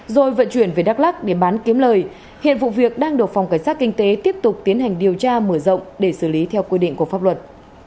rồi vận chuyển về đắk lắc để bán kiếm lời hiện vụ việc đang được phòng cảnh sát kinh tế tiếp tục tiến hành điều tra mở rộng để xử lý theo quy định của pháp luật